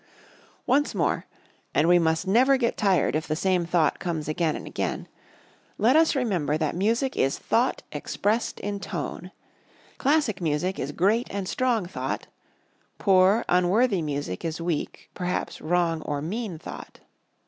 Once more and we must never get tired if the same thought comes again and again let us remember that music is thought expressed in tone. Classic music is great and strong thought; poor, unworthy music is weak, perhaps wrong or mean thought.